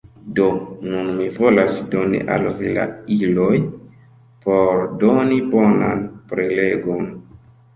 Do nun mi volas doni al vi la iloj por doni bonan prelegon.